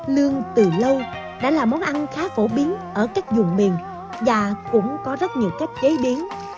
lương từ lâu đã là món ăn khá phổ biến ở các dùng miền và cũng có rất nhiều cách chế biến